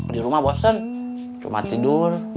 di rumah bosen cuma tidur